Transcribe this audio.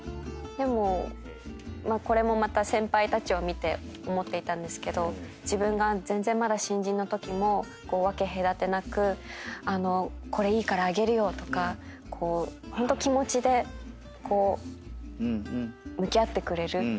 でもこれもまた先輩たちを見て思っていたんですけど自分が全然まだ新人のときも分け隔てなくこれいいからあげるよとかホント気持ちでこう向き合ってくれる。